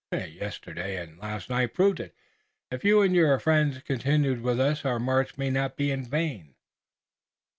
Yesterday and last night proved it. If you and your friends continue with us our march may not be in vain."